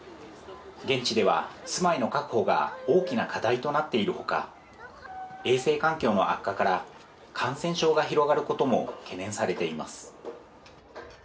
現地では住まいの確保が大きな課題となっているほか、衛生環境の悪化から感染症が広がることも懸念されています。